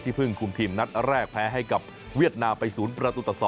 ที่เพิ่งคุมทีมนัดแรกแพ้ให้กับเวียดนาไปศูนย์ประตูตะ๒